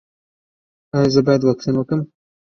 ایا زه باید واکسین وکړم؟